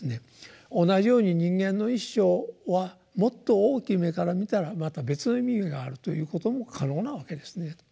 同じように人間の一生はもっと大きい目から見たらまた別の意味があるということも可能なわけですね。